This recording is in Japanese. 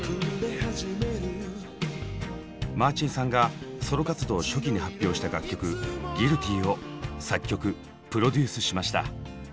マーチンさんがソロ活動初期に発表した楽曲「Ｇｕｉｌｔｙ」を作曲・プロデュースしました。